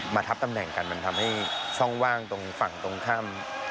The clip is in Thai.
ทับตำแหน่งกันมันทำให้ช่องว่างตรงฝั่งตรงข้าม